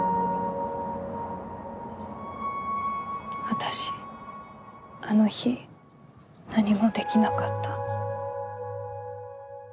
私あの日何もできなかった。